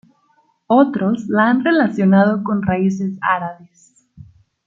Otros la han relacionado con raíces árabes.